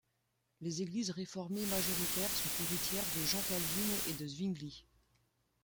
Les Églises réformées majoritaires sont héritières de Jean Calvin et de Zwingli.